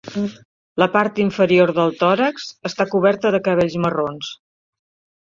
La part inferior del tòrax està coberta de cabells marrons.